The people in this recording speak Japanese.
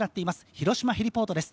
広島ヘリポートです。